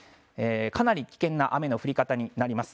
かなり危険な雨の降り方になります。